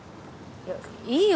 いやいいよ